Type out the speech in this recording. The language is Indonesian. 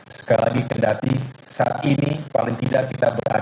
sekali lagi kendati saat ini paling tidak kita berada